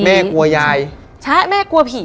กลัวยายใช่แม่กลัวผี